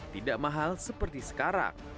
tidak mahal seperti sekarang